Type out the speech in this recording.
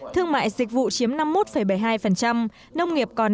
thương mại dịch vụ chiếm năm mươi một bảy mươi hai nông nghiệp còn năm sáu mươi hai